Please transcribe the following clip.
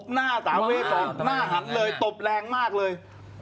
หน้าสาวเวสองหน้าหันเลยตบแรงมากเลย